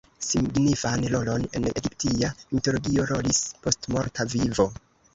Signifan rolon en egiptia mitologio rolis postmorta vivo.